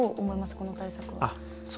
この対策。